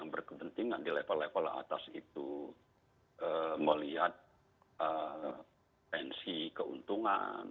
berkepentingan di level level atas itu melihat tensi keuntungan